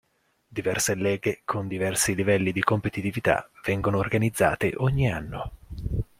Diverse leghe con diversi livelli di competitività vengono organizzate ogni anno.